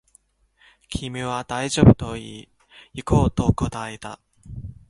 君は大丈夫と言い、行こうと答えた